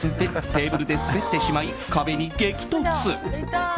テーブルで滑ってしまい壁に激突。